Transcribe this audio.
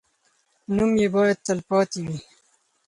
نوم یې باید تل پاتې وي.